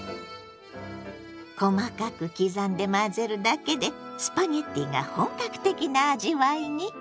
細かく刻んで混ぜるだけでスパゲッティが本格的な味わいに。